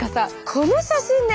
この写真ね。